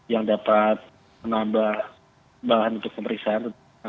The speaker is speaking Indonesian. yang dapat menambah bahan untuk pemeriksaan